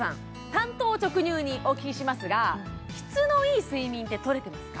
単刀直入にお聞きしますが質のいい睡眠ってとれてますか？